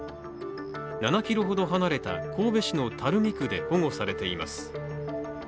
７ｋｍほど離れた神戸市の垂水区で保護されています。